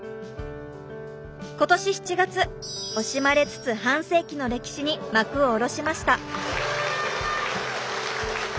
今年７月惜しまれつつ半世紀の歴史に幕を下ろしました。